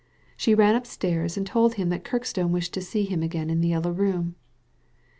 She ran upstairs and told him that Kirkstone wished to see him again in the Yellow Room.